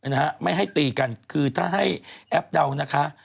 นะฮะไม่ให้ตีกันคือถ้าให้แอปเดานะคะ